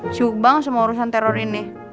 sibuk banget sama urusan teror ini